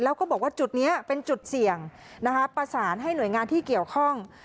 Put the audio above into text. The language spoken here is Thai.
แล้วก็บอกว่าจุดนี้เป็นจุดเสี่ยงนะคะประสานให้หน่วยงานที่เกี่ยวข้อง